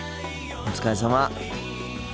お疲れさま。